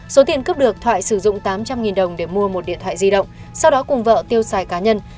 số tiền cướp được thoại sử dụng tám trăm linh đồng để mua một điện thoại di động sau đó cùng vợ tiêu xài cá nhân